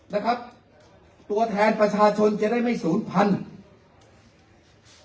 นะครับตัวแทนประชาชนจะได้ไม่ศูนย์พันธุ์